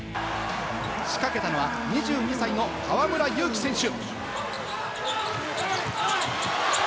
仕掛けたのは２２歳の河村勇輝選手。